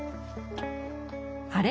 あれ？